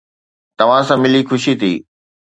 توهان سان ملي خوشي ٿي